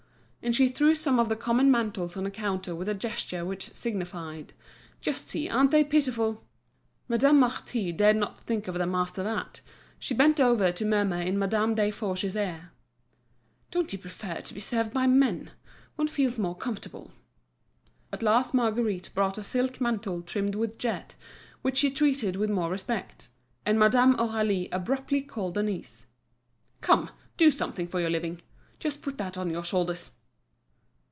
And she threw some of the common mantles on a counter with a gesture which signified: "Just see, aren't they pitiful?" Madame Marty dared not think of them after that; she bent over to murmur in Madame Desforges's ear: "Don't you prefer to be served by men? One feels more comfortable?" At last Marguerite brought a silk mantle trimmed with jet, which she treated with more respect. And Madame Aurélie abruptly called Denise. "Come, do something for your living. Just put that on your shoulders."